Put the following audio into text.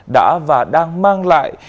đã và đang mang lại